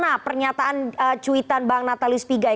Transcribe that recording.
nah pernyataan cuitan bang nathalys pigai